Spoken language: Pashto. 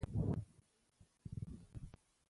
جمله بشپړ مفهوم لري.